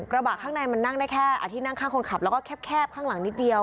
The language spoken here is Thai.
กระบะข้างในมันนั่งได้แค่ที่นั่งข้างคนขับแล้วก็แคบข้างหลังนิดเดียว